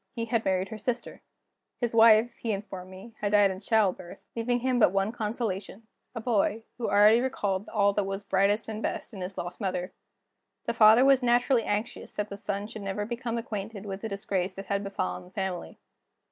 He had married her sister. His wife, he informed me, had died in childbirth, leaving him but one consolation a boy, who already recalled all that was brightest and best in his lost mother. The father was naturally anxious that the son should never become acquainted with the disgrace that had befallen the family.